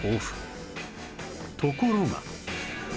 ところが